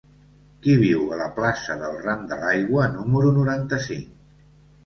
Qui viu a la plaça del Ram de l'Aigua número noranta-cinc?